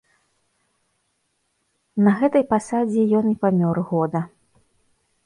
На гэтай пасадзе ён і памёр года.